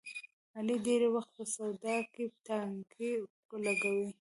علي ډېری وخت په سودا کې ټانګې لګوي.